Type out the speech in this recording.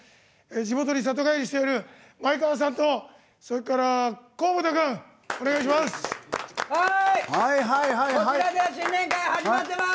地元に里帰りしている前川さんと河本君、お願いします。